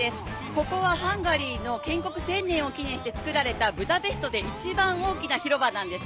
ここはハンガリーの建国１０００年を記念してつくられたブダペストで一番大きな広場なんです。